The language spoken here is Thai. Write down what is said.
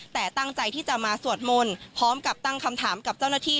แต่ตั้งใจที่จะมาสวดมนต์พร้อมกับตั้งคำถามกับเจ้าหน้าที่